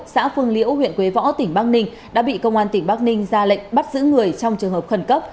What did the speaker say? xã phương liễu huyện quế võ tỉnh bắc ninh đã bị công an tỉnh bắc ninh ra lệnh bắt giữ người trong trường hợp khẩn cấp